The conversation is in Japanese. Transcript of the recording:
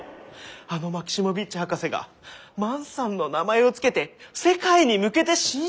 あのマキシモヴィッチ博士が万さんの名前を付けて世界に向けて新種発表？